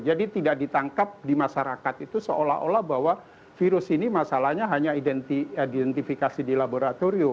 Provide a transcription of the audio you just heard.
jadi tidak ditangkap di masyarakat itu seolah olah bahwa virus ini masalahnya hanya identifikasi di laboratorium